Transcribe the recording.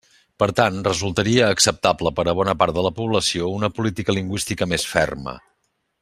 Per tant, resultaria acceptable per a bona part de la població una política lingüística més ferma.